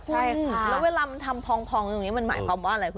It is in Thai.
แล้วเวลามันทำพลองอยู่มันหมายความว่าอะไร